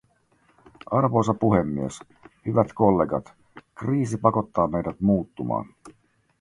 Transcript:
Arvoisa puhemies, hyvät kollegat, kriisi pakottaa meidät muuttumaan.